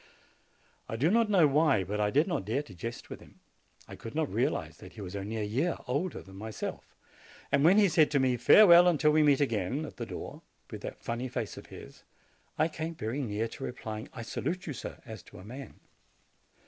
I do not know why, but I did not dare to jest with him; I could not realize that he was only a year older than myself. And when he said to me, "Farewell until we meet again," at the door, with that funny face of his, I came very near replying, "I salute you, sir," as to a man.